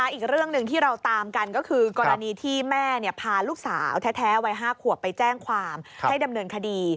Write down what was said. อีกเรื่องหนึ่งที่เราตามกันก็คือกรณีที่แม่พาลูกสาวแท้วัย๕ขวบไปแจ้งความให้ดำเนินคดี